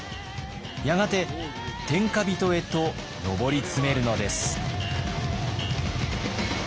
やがて天下人へと上り詰めるのです。